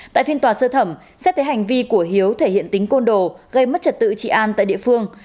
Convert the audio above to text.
tại phiên tòa sơ thẩm xét thấy hành vi của hiếu thể hiện tính côn đồ gây mất trật tự trị an tại địa phương